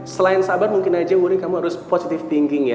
selain sabar mungkin aja worly kamu harus positive thinking ya